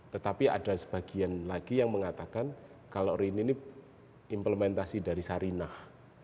tetapi ada sebagian lagi yang mengatakan kalau rini ini implementasi dari sarinah